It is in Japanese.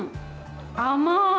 甘い！